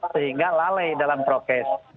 sehingga lalai dalam rokes